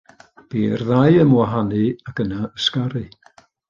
Bu i'r ddau ymwahanu ac yna ysgaru.